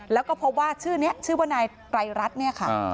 แล้วก็พบว่าชื่อนี้ชื่อว่านายไตรรัฐเนี่ยค่ะ